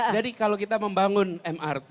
jadi kalau kita membangun mrt